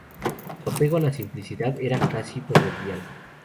Su apego a la simplicidad era casi proverbial.